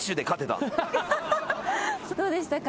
どうでしたか？